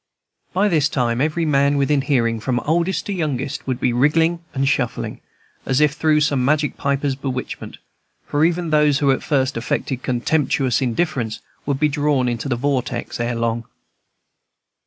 By this time every man within hearing, from oldest to youngest, would be wriggling and shuffling, as if through some magic piper's bewitchment; for even those who at first affected contemptuous indifference would be drawn into the vortex erelong.